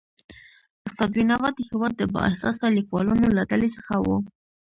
استاد بینوا د هيواد د با احساسه لیکوالانو له ډلې څخه و.